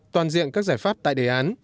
toàn diện các giải pháp tại đề án